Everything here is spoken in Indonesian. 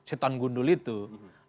maka sehingga muncul istilah setoran